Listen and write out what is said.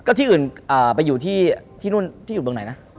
ก็ที่อื่นไปอยู่ที่นู่นพี่อยู่เมืองไหนนะ